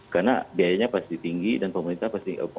karena biayanya pasti tinggi dan masyarakat pasti nggak mampu beli